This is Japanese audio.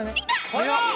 早っ！